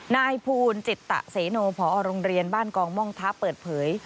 นายภูลจิตตะเสโนผอโรงเรียนบ้านกองม่องทะเปิดเผย